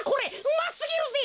うますぎるぜ。